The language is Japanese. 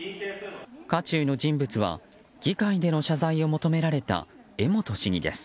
渦中の人物は議会での謝罪を求められた江本市議です。